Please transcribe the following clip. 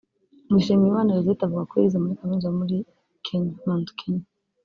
Dushimiyimana Rosette avuga ko yize muri kaminuza yo muri Kenya (Mount Kenya)